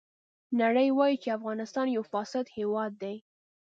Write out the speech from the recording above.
نړۍ وایي چې افغانستان یو فاسد هېواد دی.